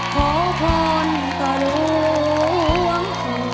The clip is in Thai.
ขอพรต่อหลวง